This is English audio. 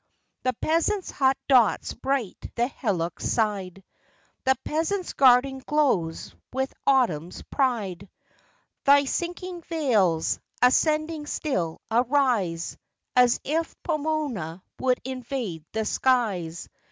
The peasant's hut dots bright the hillock's side; The peasant's garden glows with autumn's pride. Thy sinking vales, ascending still, arise, As if Pomona would invade the skies.